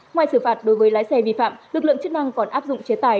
ngoài xử phạt đối với lái xe vi phạm lực lượng chức năng còn áp dụng chế tài